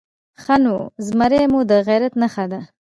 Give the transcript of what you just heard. _ښه نو، زمری مو د غيرت نښه ده؟